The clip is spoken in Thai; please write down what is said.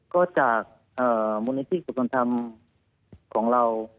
ก็จากมูลนิธิสุธรรมของเรา